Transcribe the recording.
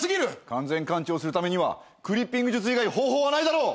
完全完治をするためにはクリッピング術以外方法はないだろう。